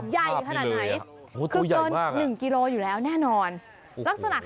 ยังใหญ่ขนาดไหนคือเกิน๑กิโลอยู่แล้วแน่นอนตามภาพดีเลย